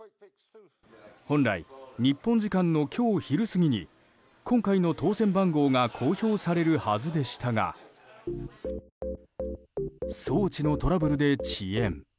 本来、日本時間の今日昼過ぎに今回の当せん番号が公表されるはずでしたが装置のトラブルで遅延。